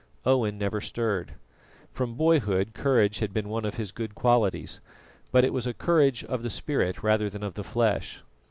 Owen never stirred. From boyhood courage had been one of his good qualities, but it was a courage of the spirit rather than of the flesh.